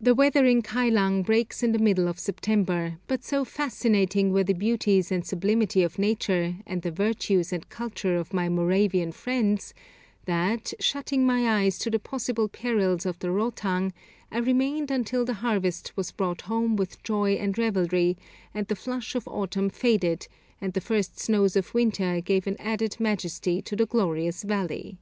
The weather in Kylang breaks in the middle of September, but so fascinating were the beauties and sublimity of Nature, and the virtues and culture of my Moravian friends, that, shutting my eyes to the possible perils of the Rotang, I remained until the harvest was brought home with joy and revelry, and the flush of autumn faded, and the first snows of winter gave an added majesty to the glorious valley.